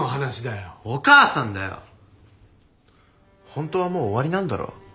本当はもう終わりなんだろ？